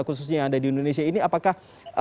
khususnya yang ada di indonesia ini apakah